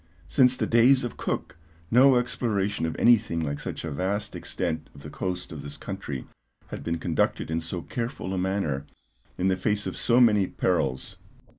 Since the days of Cook no exploration of anything like such a vast extent of the coast of this country had been conducted in so careful a manner, in the face of so many perils.